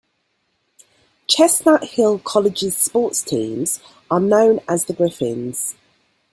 Chestnut Hill College's sports teams are known as the Griffins.